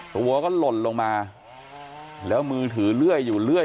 ตัวก็หล่นลงมาแล้วมือถือเลื่อยอยู่เรื่อย